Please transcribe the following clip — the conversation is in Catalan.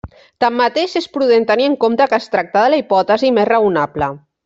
Tanmateix, és prudent tenir en compte que es tracta de la hipòtesi més raonable.